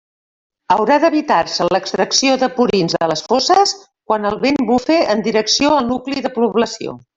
Haurà d'evitar-se l'extracció de purins de les fosses quan el vent bufe en direcció al nucli de població.